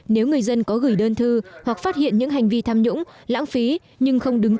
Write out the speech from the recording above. nếu người dân có gửi đơn thư hoặc phát hiện những hành vi tham nhũng lãng phí nhưng không đứng trước